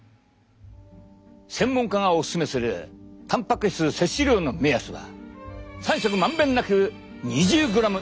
専門家がオススメするたんぱく質摂取量の目安は３食まんべんなく２０ｇ以上だ！